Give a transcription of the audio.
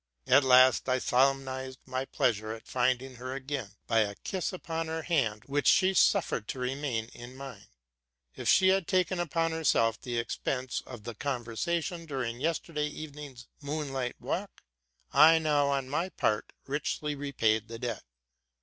At last I solemnized my pleasure at finding her again, by a kiss upon her hand, w hich she suffered to remain in mine. Whereas she had taken upon herself the expense of the conversation during our moonlight walk, of the night before, I now, on my part, richly repaid the debt.